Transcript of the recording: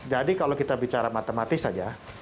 jadi kalau kita bicara matematis saja